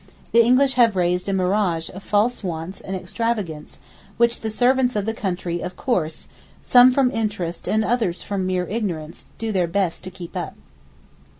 The English have raised a mirage of false wants and extravagance which the servants of the country of course, some from interest and others from mere ignorance, do their best to keep up.